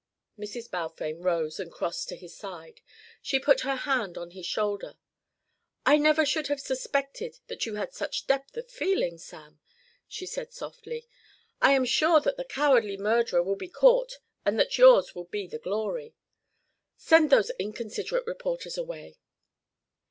Mrs. Balfame rose and crossed to his side. She put her hand on his shoulder. "I never should have suspected that you had such depth of feeling, Sam," she said softly, "I am sure that the cowardly murderer will be caught and that yours will be the glory. Send those inconsiderate reporters away."